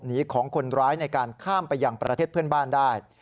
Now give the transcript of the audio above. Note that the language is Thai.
ของคนร้ายในการข้ามไปยังประเทศเพื่อนบ้านได้